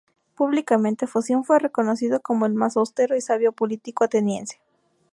Públicamente, Foción fue reconocido como el más austero y sabio político ateniense.